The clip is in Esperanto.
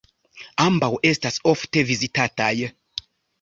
Ambaŭ estas ofte vizitataj.